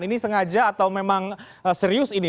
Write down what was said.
ini sengaja atau memang serius ini